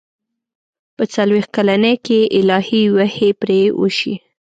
په څلوېښت کلنۍ کې الهي وحي پرې وشي.